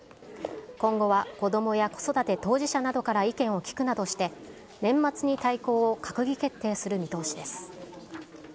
今後は子どもや子育て当事者などから意見を聞くなどして、年末に大綱を閣議決定する見通しです。